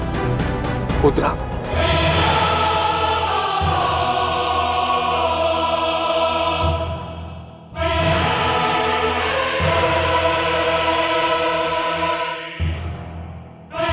kau telah dipercayai